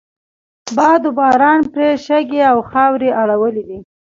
باد و باران پرې شګې او خاورې اړولی دي.